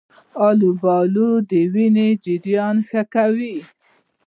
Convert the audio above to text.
آلوبالو د وینې جریان ښه کوي.